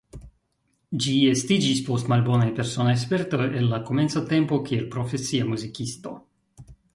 Ĝi estiĝis post malbonaj personaj spertoj el la komenca tempo kiel profesia muzikisto.